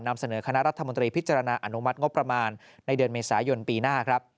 นำเสนอคณะรัฐมนตรีพิจารณาอนุมัติงบประมาณในเดือนเมษายนปีหน้าครับ